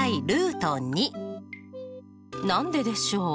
何ででしょう？